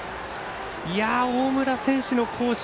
大村選手の好守